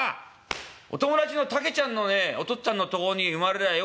お友達のタケちゃんのねお父っつぁんのとこに生まれりゃよかったよ。